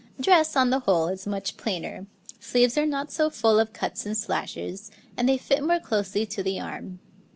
Dress, on the whole, is much plainer, sleeves are not so full of cuts and slashes, and they fit more closely to the arm.